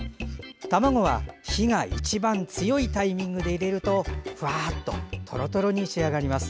卵は、火が一番強いタイミングで入れるとふわーっととろとろに仕上がります。